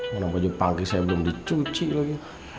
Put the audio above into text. walaupun pagi saya belum dicuci lagi